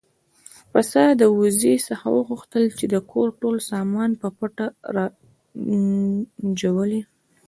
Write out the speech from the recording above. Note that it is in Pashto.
پسه د وزې څخه وغوښتل چې د کور ټول سامان په پټه ژوولی.